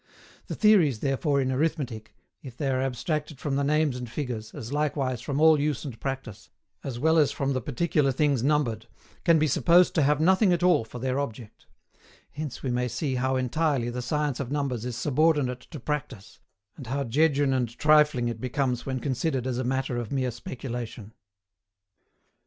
The theories therefore in Arithmetic, if they are abstracted from the names and figures, as likewise from all use and practice, as well as from the particular things numbered, can be supposed to have nothing at all for their object; hence we may see how entirely the science of numbers is subordinate to practice, and how jejune and trifling it becomes when considered as a matter of mere speculation.